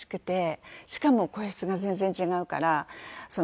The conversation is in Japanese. しかも声質が全然違うから。